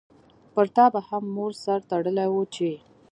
پرتا به هم مور سر تړلی وو چی